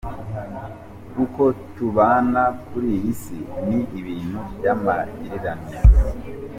Uko tubana kuri iyi si, ni ibintu bya magirirane.